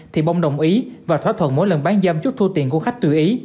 thì bông đồng ý và thỏa thuận mỗi lần bán giam trúc thu tiền của khách tùy ý